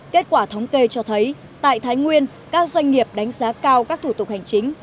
kết quả thống kê cho thấy tại thái nguyên các doanh nghiệp đánh giá cao các thủ tục hành chính